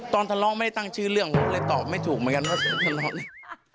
ตอนทะเลาะไม่ได้ตั้งชื่อเรื่องผมเลยตอบไม่ถูกเหมือนกันว่าผมทะเลาะเลย